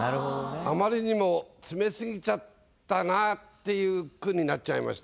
あまりにも詰め過ぎちゃったなっていう句になっちゃいましたね。